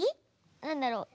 なんだろう？